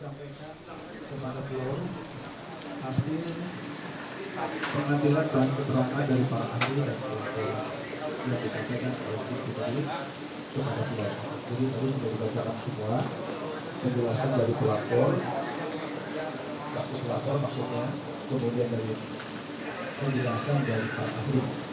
mabes polri adalah saksi pelapor maksudnya kemudian dari penjelasan dari para ahli